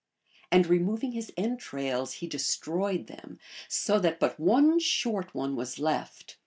And removing his entrails he destroyed them, so that but one short one was left.